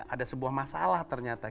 ada sebuah masalah ternyata